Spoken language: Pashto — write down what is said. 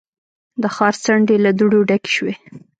د ښار څنډې له دوړو ډکې شوې.